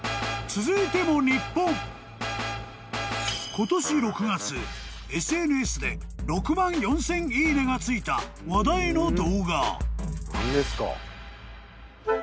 ［今年６月ＳＮＳで６万４，０００いいねがついた話題の動画］